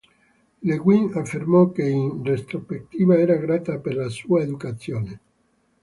Le Guin affermò che, in retrospettiva, era grata per la sua educazione.